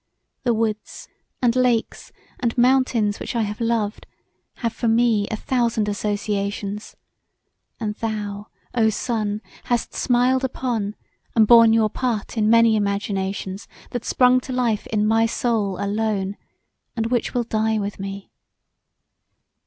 The woods, and lakes, and mountains which I have loved, have for me a thousand associations; and thou, oh, Sun! hast smiled upon, and borne your part in many imaginations that sprung to life in my soul alone, and which will die with me.